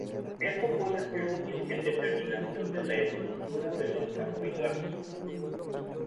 Esto puede ser útil en determinación de la estructura de los carbohidratos.